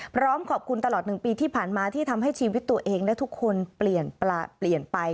พร้อมขอบคุณตลอด๑ปีที่ผ่านมาที่ทำให้ชีวิตตัวเองและทุกคนเปลี่ยนไป